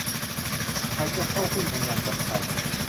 หากจะเข้าหุ้นทำงานกับใคร